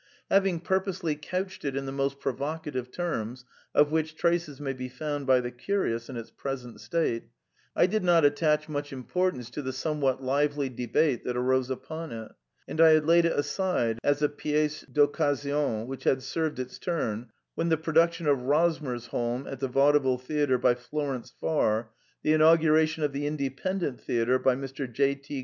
Having purposely couched it in the most provocative terms (of which traces may be found by the curious in its present state), I did not attach much importance to the some what lively debate that arose upon it ; and I had laid it aside as a piece d* occasion which had served its turn, when the production of Rosmersholm at the Vaudeville Theatre by Florence Farr, the inauguration of the Independent Theatre by Mr. J. T.